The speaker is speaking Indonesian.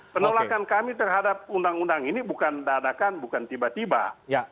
penolakan kami terhadap undang undang ini bukan dadakan bukan tiba tiba